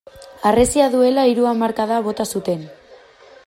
Harresia duela hiru hamarkada bota zuten.